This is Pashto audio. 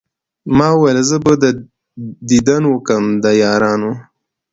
ما ول زه به ديدن وکم د يارانو